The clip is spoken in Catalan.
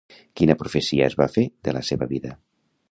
Quina profecia es va fer de la seva vida?